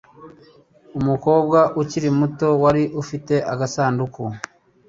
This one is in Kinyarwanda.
umukobwa ukiri muto wari ufite agasanduku